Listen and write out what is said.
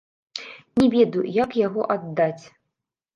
Не ведаю, як яго аддаць.